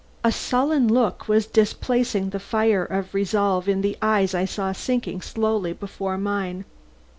A sullen look was displacing the fire of resolve in the eyes I saw sinking slowly before mine.